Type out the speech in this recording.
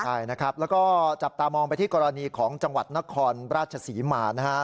ใช่นะครับแล้วก็จับตามองไปที่กรณีของจังหวัดนครราชศรีมานะฮะ